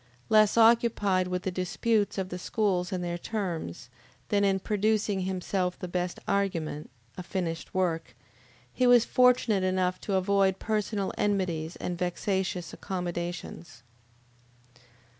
Less occupied with the disputes of the schools and their terms, than in producing himself the best argument, a finished work, he was fortunate enough to avoid personal enmities and vexatious accommodations.